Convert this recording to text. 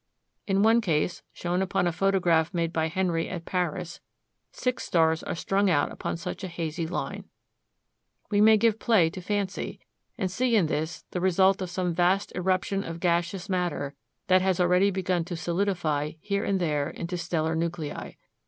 In one case, shown upon a photograph made by Henry at Paris, six stars are strung out upon such a hazy line. We might give play to fancy, and see in this the result of some vast eruption of gaseous matter that has already begun to solidify here and there into stellar nuclei.